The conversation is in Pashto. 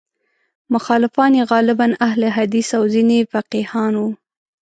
مخالفان یې غالباً اهل حدیث او ځینې فقیهان وو.